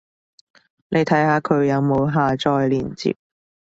你睇下佢有冇下載連接